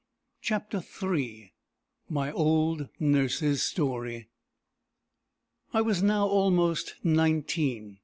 CHAPTER III My Old Nurses Story. I was now almost nineteen.